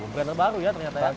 brandner baru ya ternyata ya